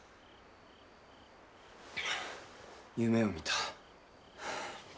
夢を見た。